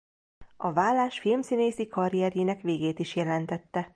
A válás filmszínészi karrierjének végét is jelentette.